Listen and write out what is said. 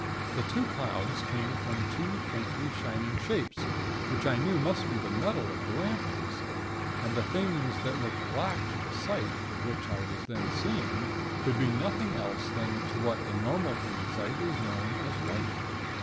The two clouds came from two faintly shining shapes, which I knew must be the metal of the lanterns; and the things that looked black to the sight with which I was then seeing, could be nothing else but what to normal human sight is known as light.